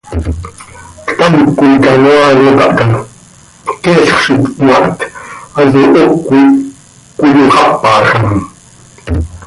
Ctamcö coi canoaa ano tahca, queelx z itcmaht, hanso hocö ih cöiyoxápajam.